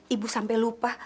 ibu sampai lupa